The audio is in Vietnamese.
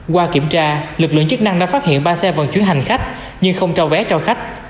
qua kiểm tra lực lượng chức năng đã phát hiện ba xe vận chuyển hành khách nhưng không trao vé cho khách